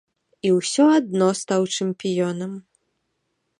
І ўсё адно стаў чэмпіёнам.